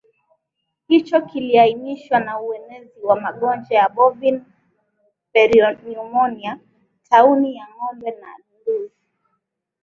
hicho kiliainishwa na uenezi wa magonjwa ya bovin pleuropneumonia tauni ya ngombe na ndui